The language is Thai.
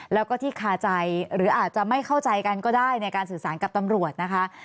แล้วก็ที่คาใจหรืออาจจะไม่เข้าใจกันก็ได้ในการสื่อสารกับตำรวจนะคะ